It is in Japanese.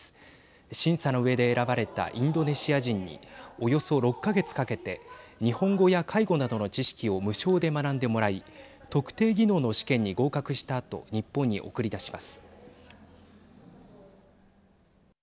審査のうえで選ばれたインドネシア人におよそ６か月かけて日本語や介護などの知識を無償で学んでもらい特定技能の試験に合格したあと日本に送り出します。